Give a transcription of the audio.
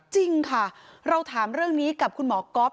จริงค่ะเราถามเรื่องนี้กับคุณหมอก๊อฟ